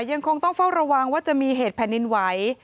ยังคงต้องเฝ้าระวังว่าจะมีเหตุแผ่นดินไหว